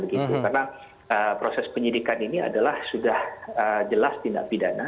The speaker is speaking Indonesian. karena proses penyidikan ini adalah sudah jelas tindak pidana